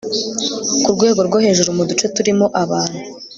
ku rwego rwo hejuru mu duce turimo abantu